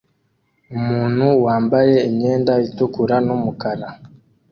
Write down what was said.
Umuntu wambaye imyenda itukura numukara